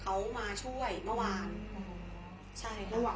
เขามาช่วงมาช่วยเมื่อวาน